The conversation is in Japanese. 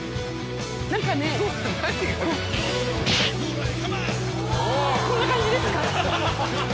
何かね。こんな感じですか？